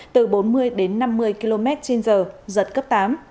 từ bốn mươi đến năm mươi km trên giờ giật cấp tám